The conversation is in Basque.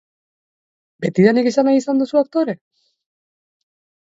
Betidanik izan nahi izan duzu aktore?